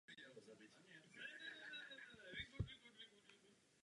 Rozhodujícím činitelem na mírové konferenci ovšem byla Nejvyšší rada ve výše uvedeném složení.